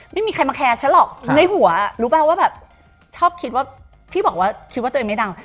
ไม่มีใครมาแคร์ฉันหรอกในหัวรู้ป่ะว่าแบบชอบคิดว่าที่บอกว่าคิดว่าตัวเองไม่ดัง